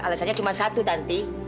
alasannya cuma satu tanti